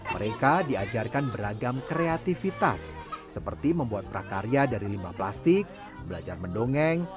mereka diajarkan beragam kreativitas seperti membuat prakarya dari limbah plastik belajar mendongeng